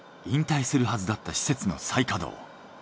引退するはずだった施設の再稼働。